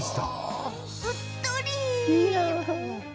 うっとり！